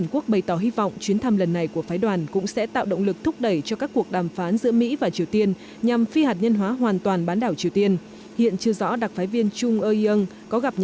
có gặp nhà lãnh đạo triều tiên kim trương ưn hay không